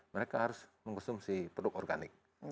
mereka harus mengkonsumsi produk organik